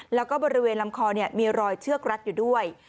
แล้วก็บริเวณลำคอมีรอยเชือกรัดอยู่ด้วย